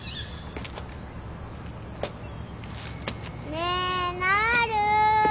ねえなる。